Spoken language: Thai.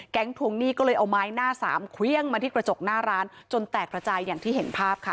ทวงหนี้ก็เลยเอาไม้หน้าสามเครื่องมาที่กระจกหน้าร้านจนแตกระจายอย่างที่เห็นภาพค่ะ